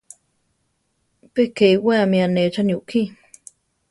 Pe ke iwéami anéchani ukí.